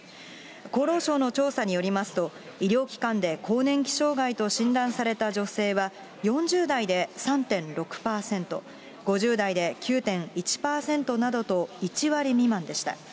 厚労省の調査によりますと、医療機関で更年期障害と診断された女性は、４０代で３．６％、５０代で９．１％などと１割未満でした。